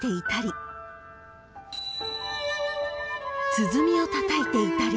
［鼓をたたいていたり］